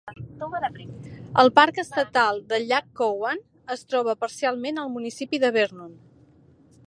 El Parc Estatal del Llac Cowan es troba parcialment al municipi de Vernon.